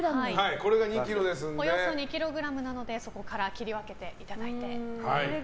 これがおよそ２ｋｇですのでそこから切り分けていただいて。